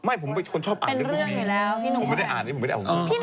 ไม่ผมเป็นคนชอบอ่านอย่างนี้ผมไม่ได้อ่านอย่างนี้ผมไม่ได้อ่านอย่างนี้เป็นเรื่องอยู่แล้วพี่หนุ่ม